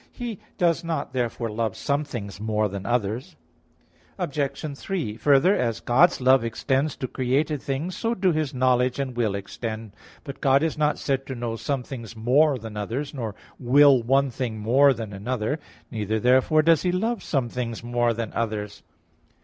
He does not therefore love some things more than others. Obj. 3: Further, as God's love extends to created things, so do His knowledge and will extend. But God is not said to know some things more than others; nor will one thing more than another. Neither therefore does He love some things more than others.